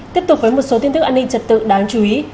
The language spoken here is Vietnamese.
tiếp tục với một số tin tức an ninh trật tự đáng chú ý